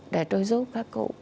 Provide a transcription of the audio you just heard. để tôi giúp các cụ